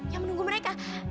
yang menunggu mereka